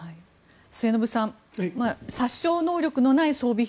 末延さん殺傷能力のない装備品